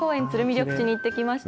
緑地に行ってきました。